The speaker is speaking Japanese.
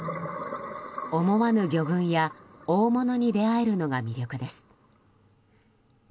思わぬ魚群や大物に出会えるのが魅力です。